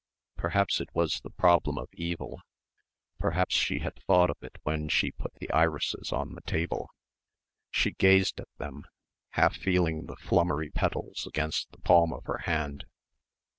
Perhaps it was the problem of evil. Perhaps she had thought of it when she put the irises on the table. She gazed at them, half feeling the flummery petals against the palm of her hand.